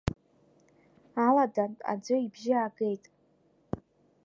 Аладантә аӡәы ибжьы аагеит.